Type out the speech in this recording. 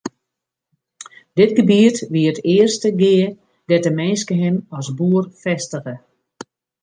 Dit gebiet wie it earste gea dêr't de minske him as boer fêstige.